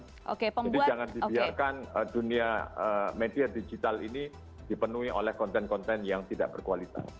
jadi jangan dibiarkan dunia media digital ini dipenuhi oleh konten konten yang tidak berkualitas